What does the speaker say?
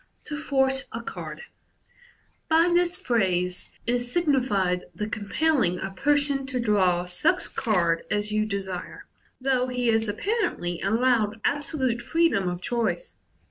To "Force'' a Card. — By this phrase is signified the compel ling a person to draw such card as you desiie, though he is apparently allowed absolute freedom of choice.